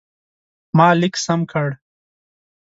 ما لیک سم کړ.